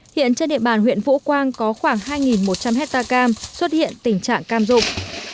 hiện trên địa bàn huyện vũ quang có khoảng hai một trăm linh hectare cam xuất hiện tình trạng cam dụng